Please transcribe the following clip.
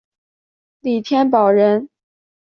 李添保人。